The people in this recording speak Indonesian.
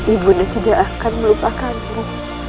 ibunya tidak akan melupakamu